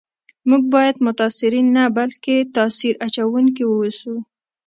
موږ باید متاثرین نه بلکي تاثیر اچونکي و اوسو